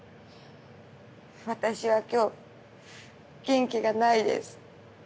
私は今日元気がないです。